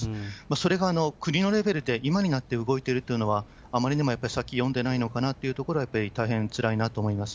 それが、国のレベルで今になって動いているというのは、あまりにもやっぱり先読んでないのかなというところは、やっぱり、大変つらいなと思います。